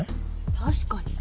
確かに。